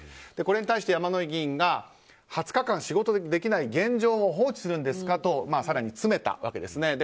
これに対して山井議員が２０日間、仕事ができない現状を放置するんですかと更に詰めたわけですね。